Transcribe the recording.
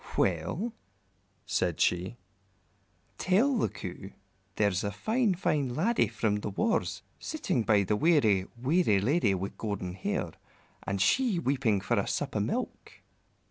"Well," said she, "tell the Coo there's a fine, fine laddie from the wars sitting by the weary, weary lady with golden hair, and she weeping for a sup o' milk."